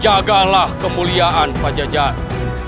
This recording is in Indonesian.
jagalah kemuliaan pada jajaran